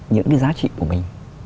những cái giá trị của mình